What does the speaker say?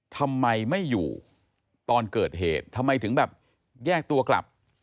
ทำไมไม่อยู่ตอนเกิดเหตุทำไมถึงแบบแยกตัวกลับ